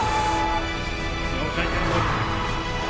４回転トーループ。